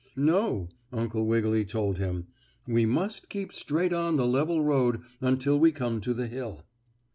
"No," Uncle Wiggily told him. "We must keep straight on the level road until we come to the hill."